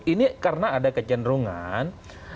ini karena ada kecenderungan